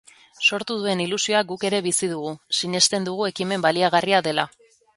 Sortu duen ilusioa guk ere bizi dugu, sinesten dugu ekimen baliagarria dela.